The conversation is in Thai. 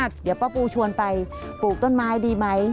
เดี๋ยวป้าปูชวนไปปลูกต้นไม้ดีไหม